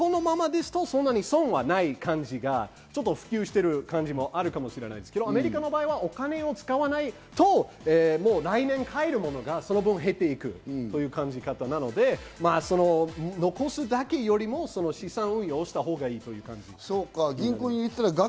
銀行のままですと、そんなに損はない感じが普及してる感じもあるかもしれないですけど、アメリカの場合はお金を使わないと来年買えるものがその分減っていくという感じ方なので、残すだけよりも資産を運用したほうがいいという感じ。